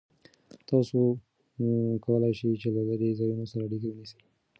تاسو کولای شئ چې له لرې ځایونو سره اړیکه ونیسئ.